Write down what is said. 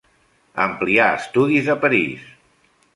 Amplià estudis a París.